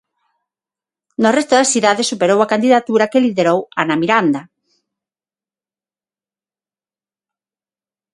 No resto das cidades superou a candidatura que liderou Ana Miranda.